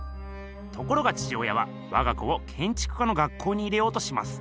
ところが父親はわが子をけんちく家の学校に入れようとします。